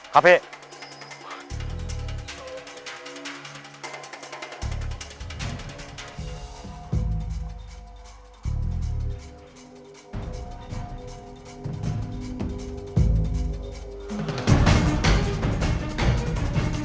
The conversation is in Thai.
ครับพี่